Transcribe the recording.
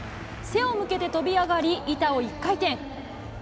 背を向けて跳び上がり、板を１回転。